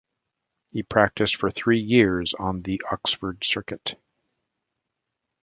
He practised for three years on the Oxford Circuit.